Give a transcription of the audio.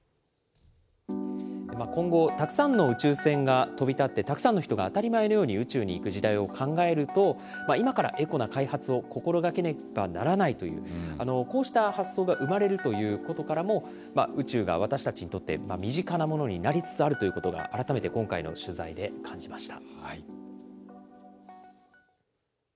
今後、たくさんの宇宙船が飛び立って、たくさんの人が当たり前のように宇宙に行く時代を考えると、今からエコな開発を心がけねばならないという、こうした発想が生まれるということからも、宇宙が私たちにとって身近なものになりつつあるということが、改めて今回の取材で感じました。